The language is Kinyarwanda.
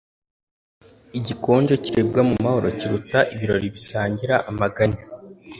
Igikonjo kiribwa mu mahoro kiruta ibirori bisangira amaganya.”